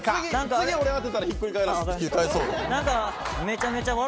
次俺当てたらひっくり返るわ。